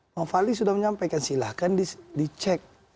bang fadli sudah menyampaikan silahkan dicek